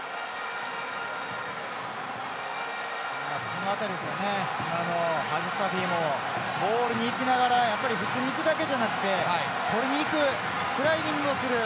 この辺りですよね、ハジサフィもボールにいきながら普通にいくだけじゃなくて取りにいくスライディングをする。